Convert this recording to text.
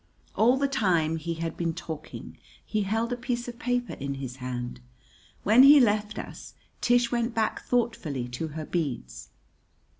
All the time he had been talking he held a piece of paper in his hand. When he left us Tish went back thoughtfully to her beads.